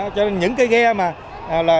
cho nên những cái ghe mà